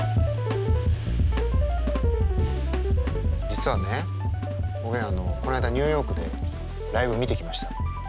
実はねおげんこの間ニューヨークでライブ見てきました。